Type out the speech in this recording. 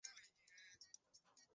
nilionana na watu